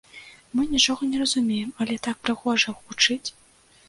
Мы нічога не разумеем, але так прыгожа гучыць.